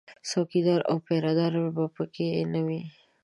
څوکیدار او پیره دار به په کې نه وي